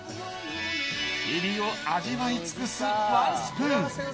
エビを味わい尽くすワンスプーン。